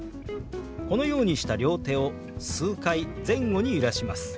このようにした両手を数回前後に揺らします。